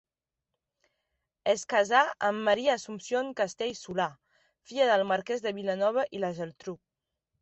Es casà amb Maria Assumpció Castell Solà, filla del marquès de Vilanova i la Geltrú.